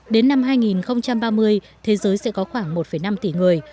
đến năm hai nghìn ba mươi thế giới sẽ có khoảng một năm tỷ người